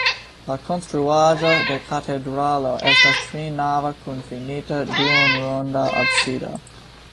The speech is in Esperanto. La konstruaĵo de katedralo estas trinava kun finita duonronda absido.